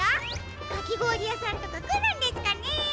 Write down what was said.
かきごおりやさんとかくるんですかね？